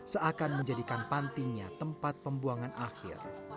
seakan menjadikan pantinya tempat pembuangan akhir